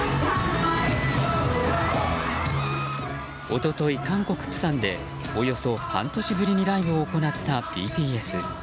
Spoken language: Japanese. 一昨日、韓国・釜山でおよそ半年ぶりにライブを行ったＢＴＳ。